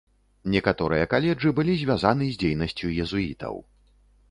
Некаторыя каледжы былі звязаны з дзейнасцю езуітаў.